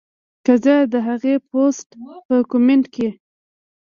کۀ زۀ د هغې پوسټ پۀ کمنټ کښې